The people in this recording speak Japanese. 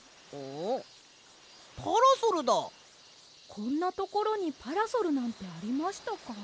こんなところにパラソルなんてありましたか？